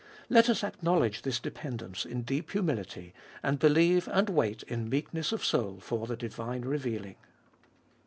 Let us acknowledge this depend ence in deep humility, and believe and wait In meekness of soul for the divine revealing.